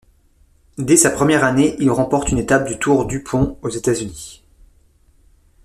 Dès sa première année, il remporte une étape du Tour DuPont aux États-Unis.